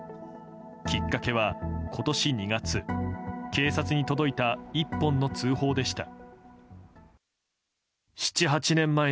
きっかけは、今年２月警察に届いた１本の通報でした。